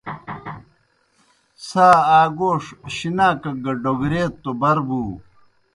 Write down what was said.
څھا آ گوݜ شِناک گہ ڈوگریت توْ بر بُو۔